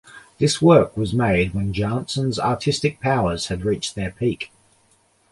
This work was made when Janssens' artistic powers had reached their peak.